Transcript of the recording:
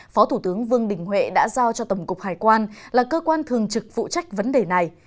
phó thủ tướng vương đình huệ đã giao cho tổng cục hải quan là cơ quan thường trực phụ trách vấn đề này